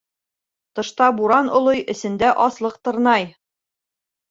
Тышта буран олой, эсенде аслыҡ тырнай!